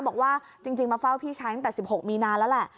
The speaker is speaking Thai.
บอกว่าจริงมาเฝ้าพี่ชายตั้งแต่๑๖มีนาแล้วแหละ